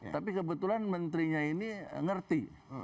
tapi kebetulan menterinya ini ngerti